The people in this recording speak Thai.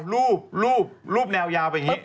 รูปรูปแนวยาวไปอย่างนี้